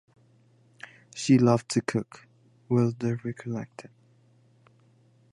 She loved to cook, Wilder recollected.